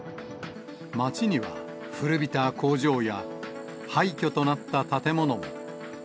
町には、古びた工場や、廃虚となった建物も。